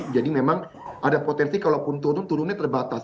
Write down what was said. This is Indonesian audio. jadi memang ada potensi kalau pun turun turunnya terbatas